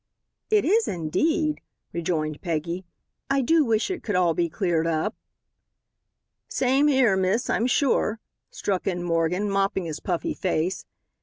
"It is, indeed," rejoined Peggy. "I do wish it could all be cleared up." "Same 'ere, miss, hi'm sure," struck in Morgan, mopping his puffy face.